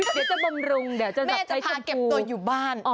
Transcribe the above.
เดี๋ยวจะบำรุงแม่จะพาเก็บตัวอยู่บ้าน